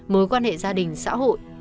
mối quan hệ gia đình xã hội